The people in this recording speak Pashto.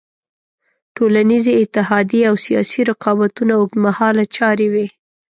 ټولنیزې اتحادیې او سیاسي رقابتونه اوږد مهاله چارې وې.